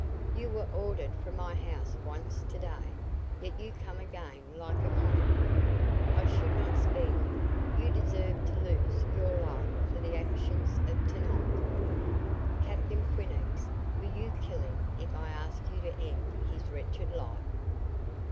"You were ordered from my house once today, yet you come again like a conqueror. I should not spare you. You deserve to lose your life for the actions of tonight. Captain Quinnox, will you kill him if I ask you to end his wretched life?"